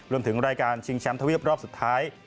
รวมถึงรายการชิงแชมป์ทวีปรอบสุดท้าย